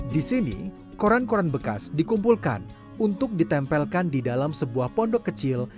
di sini koran koran bekas dikumpulkan untuk ditempelkan di dalam sebuah pondok kecil